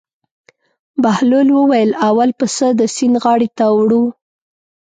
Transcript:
بهلول وویل: اول پسه د سیند غاړې ته وړو.